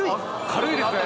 軽いですね